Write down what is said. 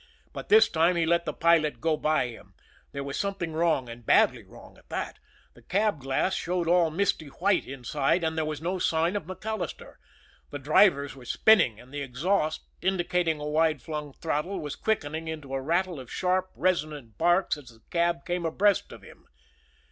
But this time he let the pilot go by him there was something wrong, and badly wrong at that. The cab glass showed all misty white inside, and there was no sign of MacAllister. The drivers were spinning, and the exhaust, indicating a wide flung throttle, was quickening into a rattle of sharp, resonant barks as the cab came abreast of him.